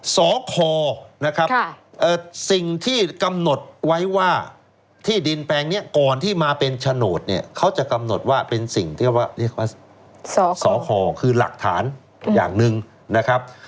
สคนะครับสิ่งที่กำหนดไว้ว่าที่ดินแปลงนี้ก่อนที่มาเป็นโฉนดเนี่ยเขาจะกำหนดว่าเป็นสิ่งที่ว่าเรียกว่าสคคือหลักฐานอย่างหนึ่งนะครับ